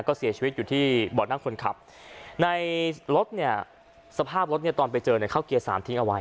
ก็เสียชีวิตอยู่ที่เบาะนั่งคนขับในรถเนี่ยสภาพรถเนี่ยตอนไปเจอเนี่ยเข้าเกียร์สามทิ้งเอาไว้